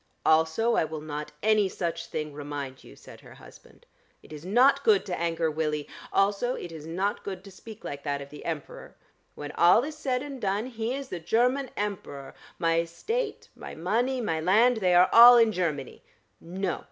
"Also, I will not any such thing remind you," said her husband. "It is not good to anger Willie. Also it is not good to speak like that of the Emperor. When all is said and done he is the Cherman Emperor. My estate, my money, my land, they are all in Chermany. No!